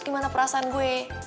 gimana perasaan gue